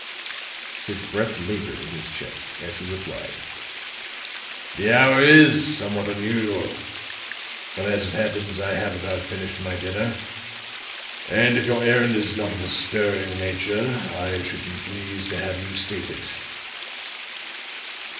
His breath labored in his chest as he replied: "The hour is somewhat unusual; but as it happens I have about finished my dinner, and if your errand is not of a stirring nature, I should be pleased to have you state it."